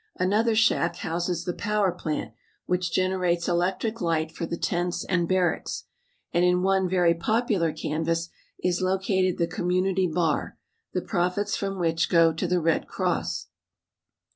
Another shack houses the power plant which generates electric light for the tents and barracks, and in one very popular canvas is located the community bar, the profits from which go to the Red Cross.